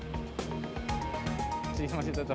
masih masih tetap